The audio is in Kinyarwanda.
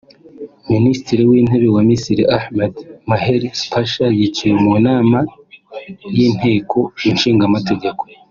Minisitiri w’intebe wa Misiri Ahmed Maher Pasha yiciwe mu nama y’inteko ishingamategeko